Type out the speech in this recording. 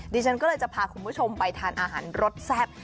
ดิฉันก็เลยจะพาคุณผู้ชมไปทานอาหารรสแซ่บ